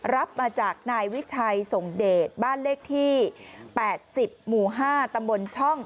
รับมาจากนายวิชัยส่งเดชบ้านเลขที่๘๐หมู่๕ตำบลช่อง